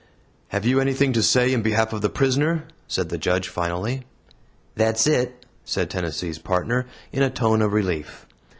"Have you anything to say in behalf of the prisoner?" said the Judge, finally. "Thet's it," said Tennessee's Partner, in a tone of relief.